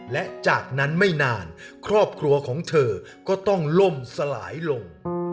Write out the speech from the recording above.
และจากนั้นไม่นานครอบครัวของเธอก็ต้องล่มสลายลง